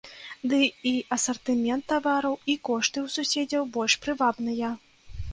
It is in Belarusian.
Ды і асартымент тавараў і кошты ў суседзяў больш прывабныя.